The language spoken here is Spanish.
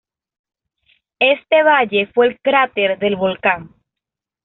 Este valle fue el cráter del volcán.